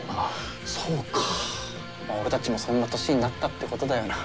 そうかまあ俺たちもそんな年になったってことだよな。